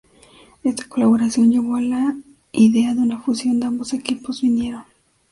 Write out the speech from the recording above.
Esta colaboración llevó a la idea de una fusión de ambos equipos vinieron.